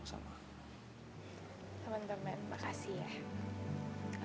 teman teman makasih ya